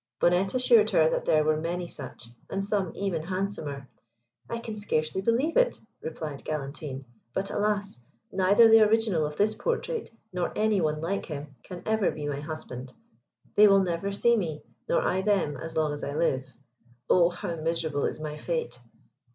Bonnette assured her that there were many such, and some even handsomer. "I can scarcely believe it," replied Galantine, "but alas, neither the original of this portrait, nor any one like him, can ever be my husband. They will never see me, nor I them as long as I live. Oh, how miserable is my fate!"